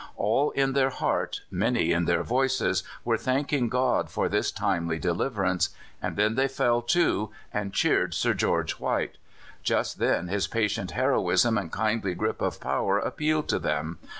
All in their heart, many in their voices, were thanking God for this timely deliverance. And then they fell to and cheered Sir George White: just then his patient heroism and kindly grip of power appealed to them.